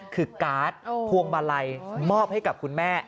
คือการ์ดพวงมาลัยมอบให้กับคุณแม่